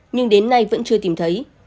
nhưng đến nay vẫn chưa tìm thấy